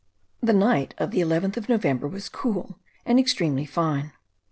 The night of the 11th of November was cool and extremely fine.